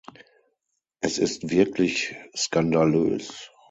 Es ist wirklich skandalös.